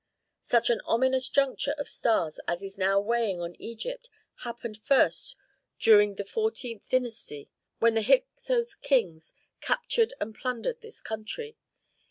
"Such an ominous juncture of stars as is now weighing on Egypt happened first during the XIV. dynasty, when the Hyksos kings captured and plundered this country.